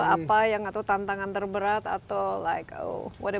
apa yang atau tantangan terberat atau like what am i doing